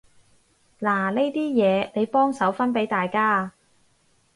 嗱呢啲嘢，你幫手分畀大家啊